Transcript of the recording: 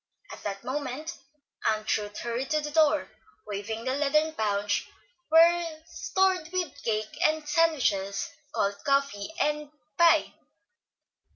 At that moment Aunt Ruth hurried to the door, waving the leathern pouch well stored with cake and sandwiches, cold coffee and pie.